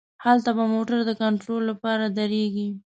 هلته به موټر د کنترول له پاره دریږي.